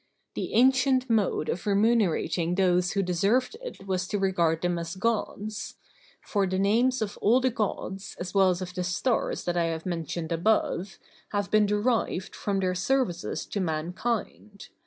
The ancient mode of remunerating those who deserved it was to regard them as Gods. For the names of all the Gods, as well as of the stars that I have mentioned above, have been derived from their services to mankind.